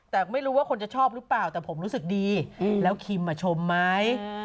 แต่ไม่รู้ว่าคนจะชอบหรือเปล่าแต่ผมรู้สึกดีแล้วคิมชมไหม